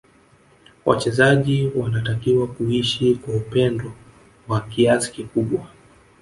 Wachezaji wanatakiwa kuishi kwa upendo wa kiasi kikubwa